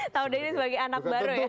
tahu diri sebagai anak baru ya